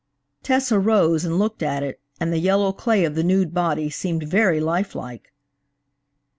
Tessa rose and looked at it, and the yellow clay of the nude body seemed very life like.